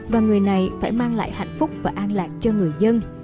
và người này phải mang lại hạnh phúc và an lạc cho người dân